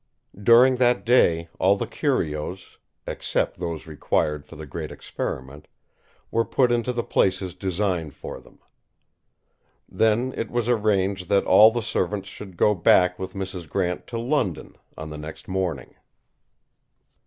During that day all the curios, except those required for the Great Experiment, were put into the places designed for them. Then it was arranged that all the servants should go back with Mrs. Grant to London on the next morning.